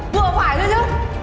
vừa phải thôi chứ